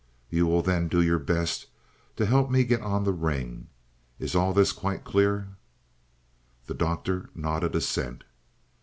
You will then do your best to help me get on the ring. Is all this quite clear?" The Doctor nodded assent.